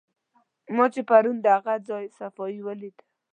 ما چې پرون د هغه ځای صفایي ولیده.